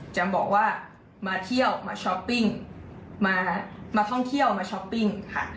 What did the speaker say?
จะบอกว่ามาเที่ยวมาช้อปปิ้งมาท่องเที่ยวมาช้อปปิ้งค่ะ